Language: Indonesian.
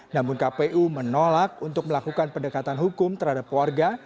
namun kpu menolak untuk melakukan pendekatan hukum terhadap warga